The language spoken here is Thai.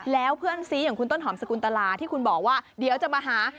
แล้วเพื่อนซีอย่างคุณต้นหอมสกุลตลาที่คุณบอกว่าเดี๋ยวจะมาหา